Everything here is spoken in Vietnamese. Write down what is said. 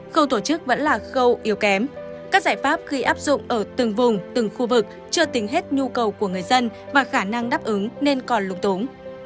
khâu tổ chức vẫn là khâu yếu kém các giải pháp khi áp dụng ở từng vùng từng khu vực chưa tính hết nhu cầu của người dân và khả năng đáp ứng nên còn lục tống